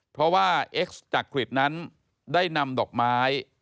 เพราะว่าเอ็กซ์จักริตนั้นได้นำดอกไม้